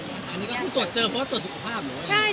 อันนี้ก็คุณตรวจเจอเพราะก็ตรวจสุขภาพไหมว่ะ